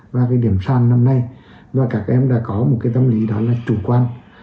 và điểm sàn năm nay và các em đã có một tâm lý đó là chủ quan